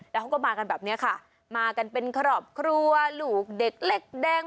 แล้วเขาก็มากันแบบนี้ค่ะมากันเป็นครอบครัวลูกเด็กเล็กแดง